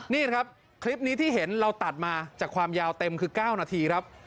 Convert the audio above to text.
นี่ครับคลิปนี้ที่เห็นเราตัดมาจากความยาวเต็มคือ๙นาทีครับ